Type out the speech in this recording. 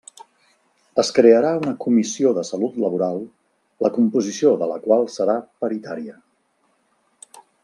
Es crearà una comissió de salut laboral la composició de la qual serà paritària.